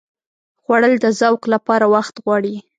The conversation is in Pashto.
خوړل د ذوق لپاره وخت غواړي